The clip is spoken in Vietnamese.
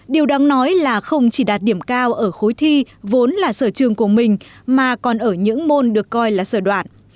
điều đáng nói là không chỉ đạt điểm cao ở khối thi vốn là sở trường của mình mà còn ở những môn được coi là sở đoạn